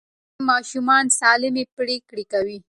سالم ماشومان سالمې پرېکړې کوي.